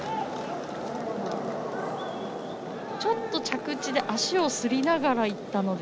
ちょっと着地足をすりながらいったので。